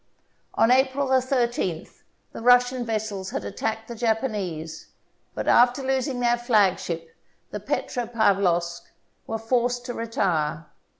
On April 13th the Russian vessels had attacked the Japanese, but after losing their flagship, the Petropaulovsk, were forced to retire.